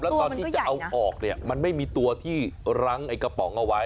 ตัวมันก็ใหญ่นะตอนที่จะเอาออกเนี่ยมันไม่มีตัวที่รั้งไอ้กระป๋องเอาไว้